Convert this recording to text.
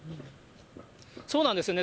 そうなんですよね。